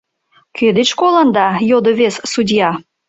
«Кӧ деч колында?» йодо вес судья.